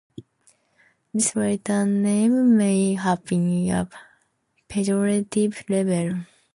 This latter name may have been a pejorative label.